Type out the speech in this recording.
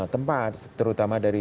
tempat terutama dari